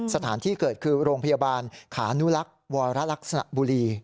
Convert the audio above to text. สถานที่เกิดคือโรงพยาบาลขานุลักษ์วรลักษณะบุรี